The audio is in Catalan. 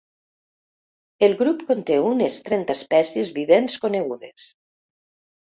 El grup conté unes trenta espècies vivents conegudes.